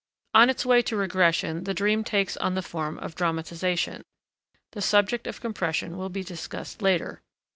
On its way to regression the dream takes on the form of dramatization. The subject of compression will be discussed later.